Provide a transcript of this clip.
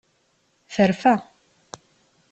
Terfa.